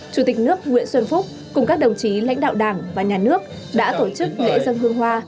chủ tịch nước nguyễn xuân phúc cùng các đồng chí lãnh đạo đảng và nhà nước đã tổ chức lễ dân hương hoa